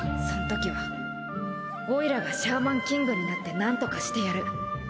そんときはオイラがシャーマンキングになってなんとかしてやる。